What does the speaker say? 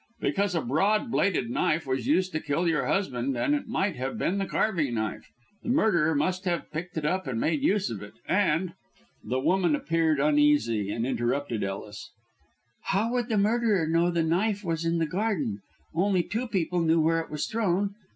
"Because a broad bladed knife was used to kill your husband, and it might have been the carving knife. The murderer must have picked it up and made use of it. And " The woman appeared uneasy, and interrupted Ellis. "How would the murderer know that the knife was in the garden? Only two people knew where it was thrown.